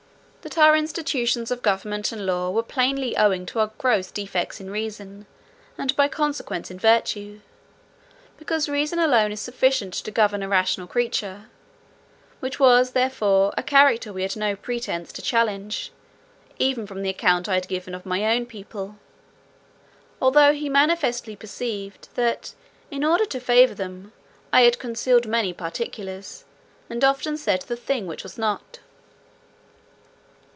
"That our institutions of government and law were plainly owing to our gross defects in reason, and by consequence in virtue; because reason alone is sufficient to govern a rational creature; which was, therefore, a character we had no pretence to challenge, even from the account I had given of my own people; although he manifestly perceived, that, in order to favour them, I had concealed many particulars, and often said the thing which was not.